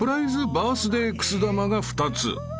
バースデーくす玉が２つ］